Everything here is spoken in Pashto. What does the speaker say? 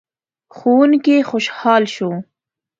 ښوونکی خوشحال شو.